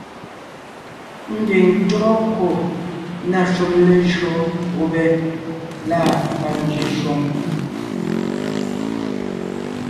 Mbiŋ tÿɔ́gɔ kwò na shúm lejÿó gubé lâ panzwě shwòŋ,